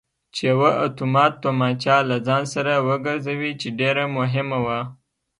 چې یوه اتومات تومانچه له ځان سر وګرځوي چې ډېره مهمه وه.